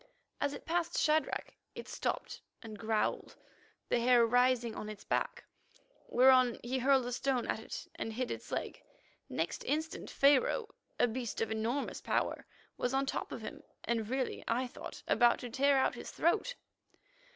As it passed Shadrach, it stopped and growled, the hair rising on its back, whereon he hurled a stone at it and hit its leg. Next instant Pharaoh, a beast of enormous power, was on the top of him, and really, I thought, about to tear out his throat.